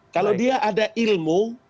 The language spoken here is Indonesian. kalau dia ada ilmu